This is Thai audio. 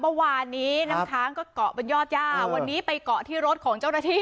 เมื่อวานนี้น้ำค้างก็เกาะเป็นยอดย่าวันนี้ไปเกาะที่รถของเจ้าหน้าที่